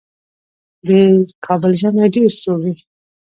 د کابل ژمی ډېر سوړ وي.